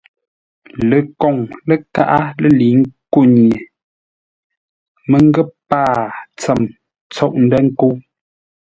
Lekoŋ ləkaʼá lə́ lə̌i ńkó nye məngə̂p paa tsəm tsôʼ ndə̂ nkə́u.